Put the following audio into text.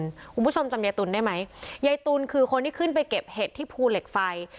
คุณผู้ชมจำยายตุ๋นได้ไหมยายตุลคือคนที่ขึ้นไปเก็บเห็ดที่ภูเหล็กไฟ